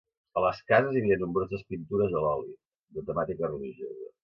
A les cases, hi havia nombroses pintures a l’oli, de temàtica religiosa.